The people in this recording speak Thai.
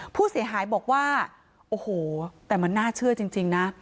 ผู้เสียหายบอกว่าโอ้โหแต่มันน่าเชื่อจริงนะ